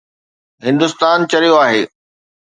هندستان چريو آهي؟